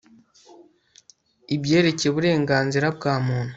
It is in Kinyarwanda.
ibyerekeye uburenganzira bwa muntu